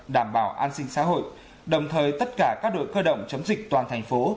đảm bảo an sinh xã hội đồng thời tất cả các đội cơ động chống dịch toàn thành phố